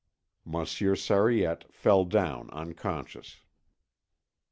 Monsieur Sariette fell down unconscious....